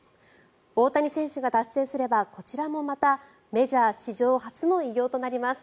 大谷選手が達成すればこちらもまたメジャー史上初の偉業となります。